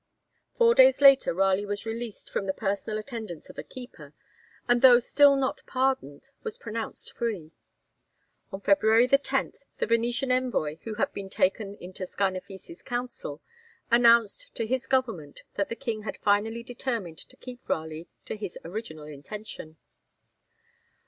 Four days later Raleigh was released from the personal attendance of a keeper, and though still not pardoned, was pronounced free. On February 10, the Venetian envoy, who had been taken into Scarnafissi's counsel, announced to his Government that the King had finally determined to keep Raleigh to his original intention.